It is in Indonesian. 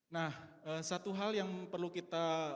nah satu hal yang perlu kita